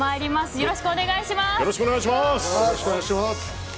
よろしくお願いします。